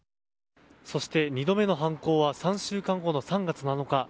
そして２度目の犯行は３週間後の３月７日。